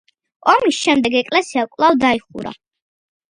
ომის შემდეგ ეკლესია კვლავ დაიხურა.